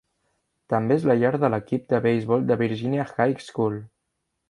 També és la llar de l'equip de beisbol de Virginia High School.